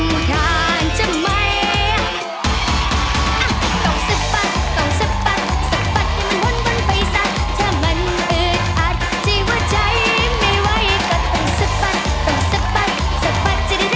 อะต้องสะปัดต้องสะปัดสะปัดให้มันวนวนไปสัด